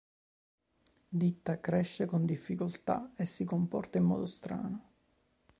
Ditta cresce con difficoltà e si comporta in modo strano.